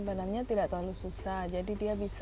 masak khen jusqu cuci